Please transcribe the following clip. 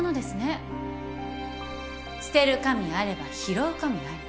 捨てる神あれば拾う神あり。